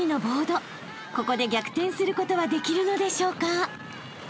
［ここで逆転することはできるのでしょうか？］